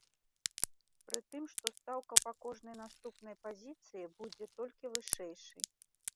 Пры тым, што стаўка па кожнай наступнай пазіцыі будзе толькі вышэйшай.